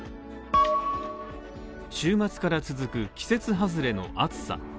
週末から続く季節外れの暑さ。